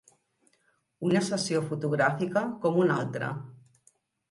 Una sessió fotogràfica com una altra.